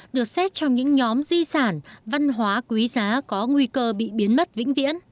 được xét trong những nhóm di sản văn hóa quý giá có nguy cơ bị biến mất vĩnh viễn